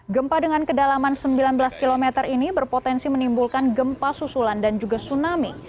gempa dengan kedalaman sembilan belas km ini berpotensi menimbulkan gempa susulan dan juga tsunami